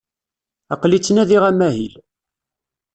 Aqli ttnadiɣ amahil.